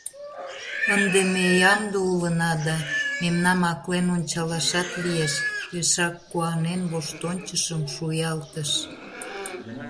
— Ынде ме ямде улына да мемнам аклен ончалашат лиеш! пешак куанен воштончышым шуялтыш.